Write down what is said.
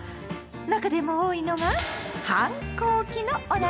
中でも多いのが「反抗期」のお悩み！